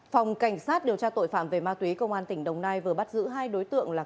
phòng cảnh sát điều tra tội phạm về ma túy công an tỉnh đồng nai vừa bắt giữ hai đối tượng là